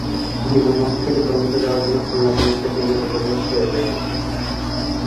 বিমানবন্দর থেকে টঙ্গীতে যাওয়ার জন্য খুলনাগামী একটি ট্রেনে চেপে বসে ইয়ামিন।